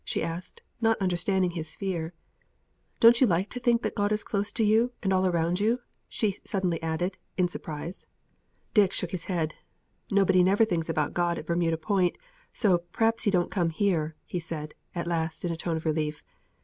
she asked, not understanding his fear. "Don't you like to think God is close to you, and all round you," she suddenly added, in surprise. Dick shook his head. "Nobody never thinks about God at Bermuda Point, so p'r'aps He don't come here," he said, at last, in a tone of relief.